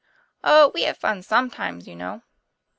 "Oh, we have fun sometimes, you know."